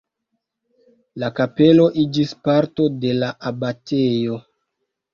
La kapelo iĝis parto de la abatejo.